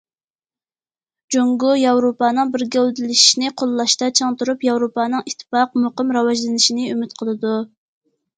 جۇڭگو ياۋروپانىڭ بىر گەۋدىلىشىشىنى قوللاشتا چىڭ تۇرۇپ، ياۋروپانىڭ ئىتتىپاق، مۇقىم، راۋاجلىنىشىنى ئۈمىد قىلىدۇ.